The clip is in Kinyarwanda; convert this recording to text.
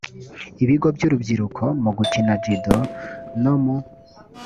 ibigo by urubyiruko mu gukina judo no mu